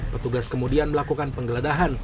petugas kemudian melakukan penggeledahan